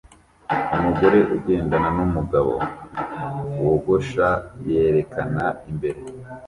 Umugore ugendana numugabo wogosha yerekana imbere